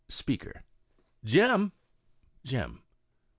Speaker. "Jem!" Jem.